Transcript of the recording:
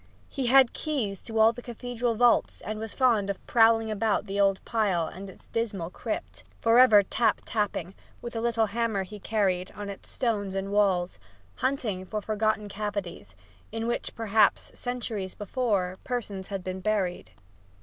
He had keys to all the cathedral vaults and was fond of prowling about the old pile and its dismal crypt, for ever tap tapping, with a little hammer he carried, on its stones and walls, hunting for forgotten cavities, in which, perhaps, centuries before, persons had been buried.